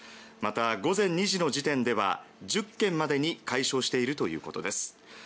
また午前２時の時点では１０軒までに解消しているということです。